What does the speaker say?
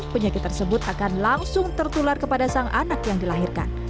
penyakit tersebut akan langsung tertular kepada sang anak yang dilahirkan